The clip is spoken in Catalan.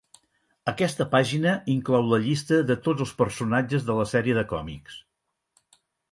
Aquesta pàgina inclou la llista de tots els personatges de la sèrie de còmics.